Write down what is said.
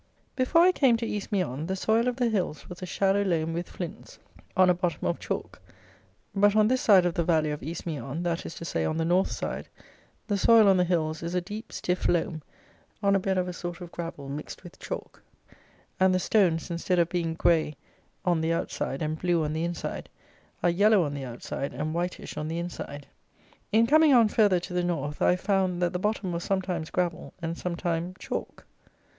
Before I came to East Meon, the soil of the hills was a shallow loam with flints, on a bottom of chalk; but on this side of the valley of East Meon; that is to say, on the north side, the soil on the hills is a deep, stiff loam, on a bed of a sort of gravel mixed with chalk; and the stones, instead of being grey on the outside and blue on the inside, are yellow on the outside and whitish on the inside. In coming on further to the North, I found, that the bottom was sometimes gravel and sometime chalk.